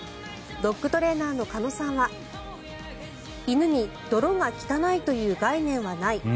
ドッグトレーナーの鹿野さんは犬に泥が汚いという概念はない。